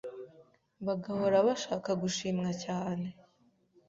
bagahora bashaka gushimwa cyane